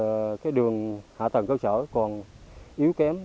thì cái đường hạ tầng cơ sở còn yếu kém